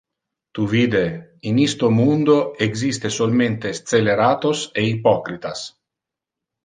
Tu vide, in iste mundo existe solmente sceleratos e hypocritas.